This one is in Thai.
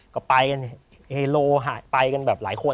ก็มันไปกันหลายคน